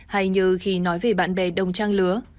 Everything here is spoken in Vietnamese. hay như khi nói về bạn bè đồng trang lứa